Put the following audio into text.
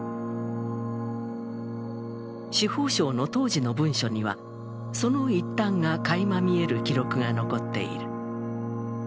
司法省の当時の文書には、その一端がかいまみえる記録が残っている。